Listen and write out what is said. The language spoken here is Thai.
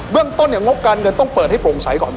เรื่องต้นเนี่ยงบการเงินต้องเปิดให้โปร่งใสก่อน